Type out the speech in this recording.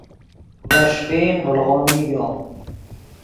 ڤے ݰیفین ڤڑو نیگو